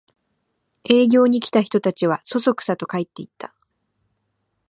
営業に来た人たちはそそくさと帰っていった